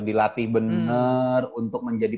dilatih bener untuk menjadi